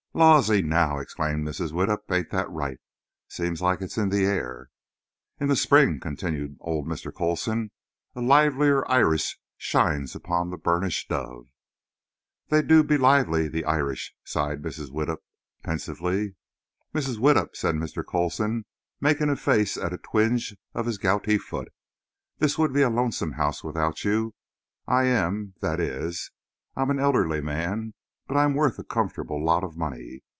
'" "Lawsy, now!" exclaimed Mrs. Widdup; "ain't that right? Seems like it's in the air." "'In the spring,'" continued old Mr. Coulson, "'a livelier iris shines upon the burnished dove.'" "They do be lively, the Irish," sighed Mrs. Widdup pensively. "Mrs. Widdup," said Mr. Coulson, making a face at a twinge of his gouty foot, "this would be a lonesome house without you. I'm an—that is, I'm an elderly man—but I'm worth a comfortable lot of money.